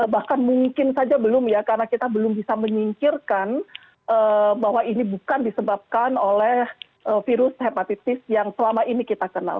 bahkan mungkin saja belum ya karena kita belum bisa menyingkirkan bahwa ini bukan disebabkan oleh virus hepatitis yang selama ini kita kenal